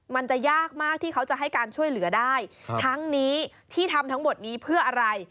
มันจะยากมากที่เขาจะให้การช่วยเหลือได้ทั้งนี้ที่ทำทั้งหมดนี้เพื่ออะไร